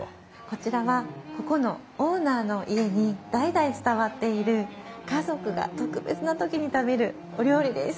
こちらはここのオーナーの家に代々伝わっている家族が特別な時に食べるお料理です。